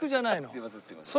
すいませんすいません。